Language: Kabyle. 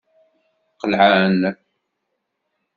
Qelɛen.